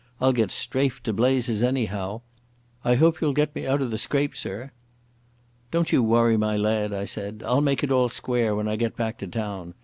I'll get strafed to blazes anyhow.... I hope you'll get me out of the scrape, sir." "Don't you worry, my lad," I said. "I'll make it all square when I get back to town.